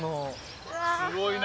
すごいね。